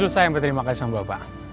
saya yang berterima kasih sama bapak